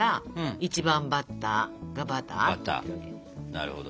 なるほど。